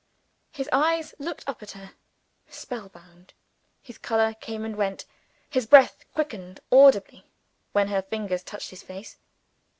His eyes looked up at her, spell bound; his color came and went; his breath quickened audibly when her fingers touched his face.